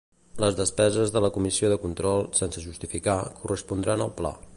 Les despeses de la Comissió de Control, sense justificar, correspondran al Pla.